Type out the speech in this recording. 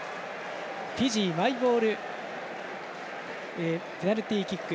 フィジーマイボールペナルティキック。